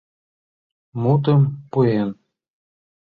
— Мутым пуэн.